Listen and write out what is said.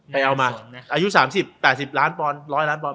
เอามาอายุ๓๐๘๐ล้านปอนด๑๐๐ล้านปอนด